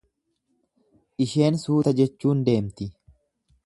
Isheen suuta jechuun deemti.